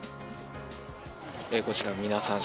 こちら、皆さん